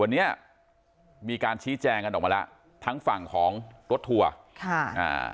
วันนี้มีการชี้แจงกันออกมาแล้วทั้งฝั่งของรถทัวร์ค่ะอ่า